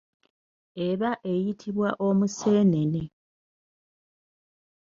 Eba eyitibwa omusenene.